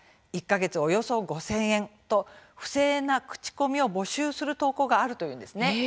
１か月およそ５０００円と不正な口コミを募集する投稿があるというんですね。